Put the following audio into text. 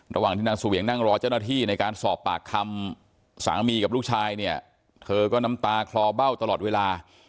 ระหว่างที่นางเสวียงนั่งรอเจ้าหน้าที่ในการสอบปากคำสามีกับลูกชายเนี่ยเธอก็น้ำตาคลอเบ้าตลอดเวลา